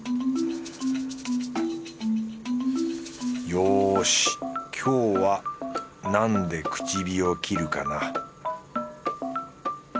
よし今日は何で口火を切るかな